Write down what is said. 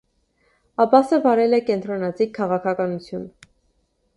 Աբասը վարել է կենտրոնաձիգ քաղաքականություն։